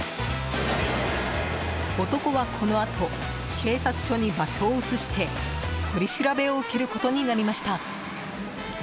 男は、このあと警察署に場所を移して取り調べを受けることになりました。